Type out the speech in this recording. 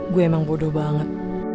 gue emang bodoh banget